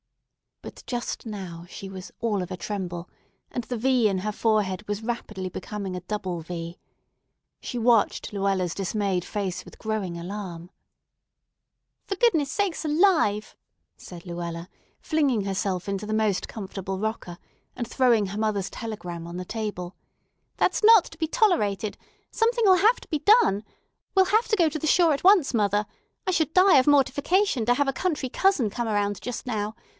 But just now she was "all of a tremble," and the V in her forehead was rapidly becoming a double V. She watched Luella's dismayed face with growing alarm. "For goodness' sake alive!" said Luella, flinging herself into the most comfortable rocker, and throwing her mother's telegram on the table. "That's not to be tolerated! Something'll have to be done. We'll have to go to the shore at once, mother. I should die of mortification to have a country cousin come around just now.